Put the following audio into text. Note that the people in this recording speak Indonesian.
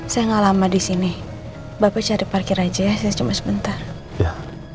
sampai jumpa di video selanjutnya